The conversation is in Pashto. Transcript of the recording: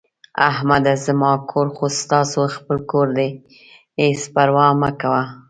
احمده زما کور خو ستاسو خپل کور دی، هېڅ پروا مه کوه...